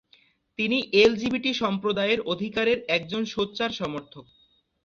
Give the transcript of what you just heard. তিনি এলজিবিটি সম্প্রদায়ের অধিকারের একজন সোচ্চার সমর্থক।